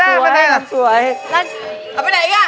เอาไปไหนเนี่ย